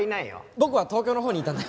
僕は東京のほうにいたんで。